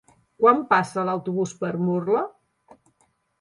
Quan passa l'autobús per Murla?